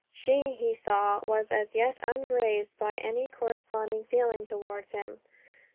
She, he saw, was as yet ungrazed by any corresponding feeling towards him.